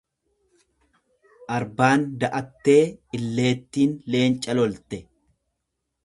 Arbaan da'attee illeettiin leenca lolte.